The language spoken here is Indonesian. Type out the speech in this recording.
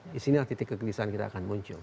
disinilah titik kegelisahan kita akan muncul